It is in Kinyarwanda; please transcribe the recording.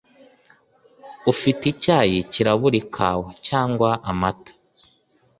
Ufite icyayi cyirabura, ikawa, cyangwa amata.